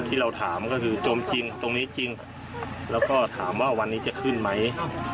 ที่เราถามก็คือจมจริงตรงนี้จริงแล้วก็ถามว่าวันนี้จะขึ้นไหม